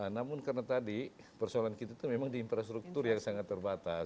namun karena tadi persoalan kita itu memang di infrastruktur yang sangat terbatas